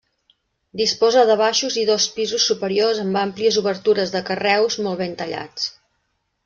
Disposa de baixos i dos pisos superiors amb àmplies obertures de carreus molt ben tallats.